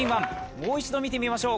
もう一度見てみましょう。